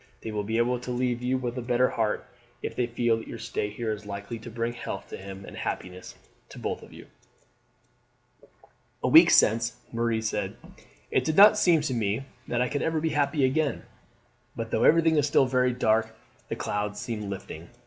They will be able to leave you with a better heart if they feel that your stay here is likely to bring health to him and happiness to both of you." "A week since," Marie said, "it did not seem to me that I could ever be happy again; but though everything is still very dark, the clouds seem lifting."